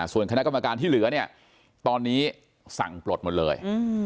ส่วนคณะกรรมการที่เหลือเนี่ยตอนนี้สั่งปลดหมดเลย